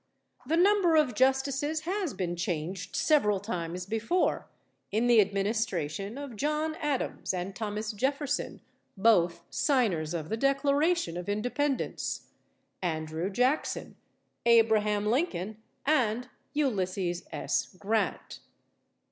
The number of justices has been changed several times before, in the administration of John Adams and Thomas Jefferson both signers of the Declaration of Independence Andrew Jackson, Abraham Lincoln and Ulysses S. Grant.